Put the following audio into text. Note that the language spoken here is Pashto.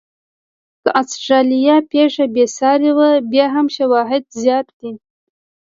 که د استرالیا پېښه بې ساري وه، بیا هم شواهد زیات دي.